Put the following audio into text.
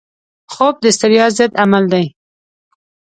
خوب د ستړیا ضد عمل دی